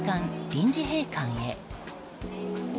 臨時閉館へ。